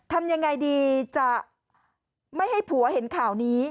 ทำยังไงดีจะไม่ให้ผัวเห็นข่าวนี้